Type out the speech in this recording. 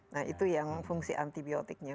nah itu yang fungsi anti biotiknya